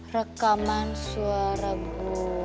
rekaman suara gue